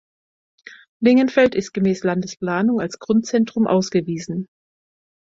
Lingenfeld ist gemäß Landesplanung als Grundzentrum ausgewiesen.